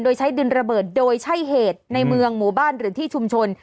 โดยใช้ดินระเบิดโดยใช่เหตุในเมืองหมู่บ้านหรือที่ชุมชน